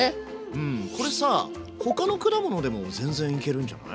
これさあ他の果物でも全然いけるんじゃない？